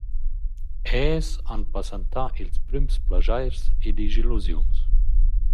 Els han passantà ils prüms plaschairs e dischillusiuns.